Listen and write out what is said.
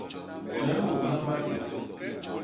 Me mbôñha maké.